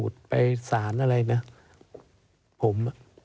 เฉพาะตัวผมนะ